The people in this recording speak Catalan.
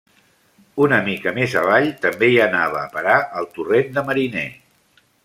Una mica més avall també hi anava a parar el torrent de Mariner.